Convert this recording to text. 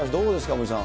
森さん。